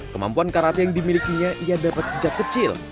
kemampuan karate yang dimilikinya ia dapat sejak kecil